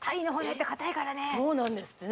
そうなんですってね